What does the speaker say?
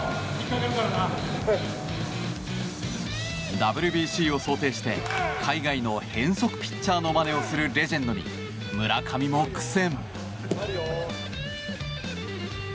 ＷＢＣを想定して、海外の変則ピッチャーのまねをするレジェンドに村上も苦戦。